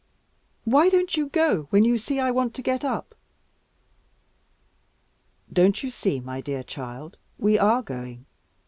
Why don't you go, when you see I want to get up?' "Don't you see, my dear child, we are going?